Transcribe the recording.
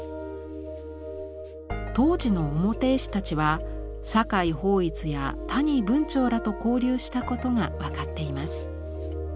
当時の表絵師たちは酒井抱一や谷文晁らと交流したことが分かっています。